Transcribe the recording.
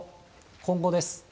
今後です。